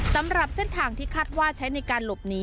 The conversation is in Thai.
สำหรับเส้นทางที่คาดว่าใช้ในการหลบหนี